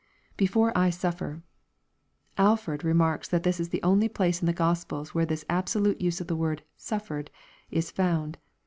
[Before I suffer^ Alford remarks that this is the only place in the Gospels where this absolute use of the word " suffered" ia found.